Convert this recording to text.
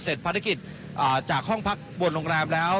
ภารกิจจากห้องพักบนโรงแรมแล้ว